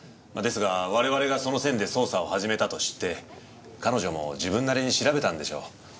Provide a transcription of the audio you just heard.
ですが我々がその線で捜査を始めたと知って彼女も自分なりに調べたんでしょう。